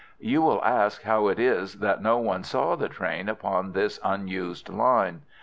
You will ask how it is that no one saw the train upon this unused line.